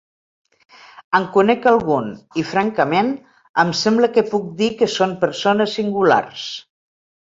En conec algun i, francament, em sembla que puc dir que són persones singulars.